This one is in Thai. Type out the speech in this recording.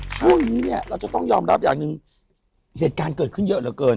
ช่วงนี้เนี่ยเราจะต้องยอมรับอย่างหนึ่งเหตุการณ์เกิดขึ้นเยอะเหลือเกิน